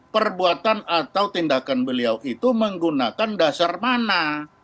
perbuatan atau tindakan beliau itu menggunakan dasar mana